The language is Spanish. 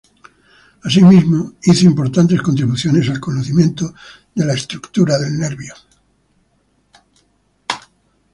Así mismo, hizo importantes contribuciones al conocimiento de la estructura del nervio.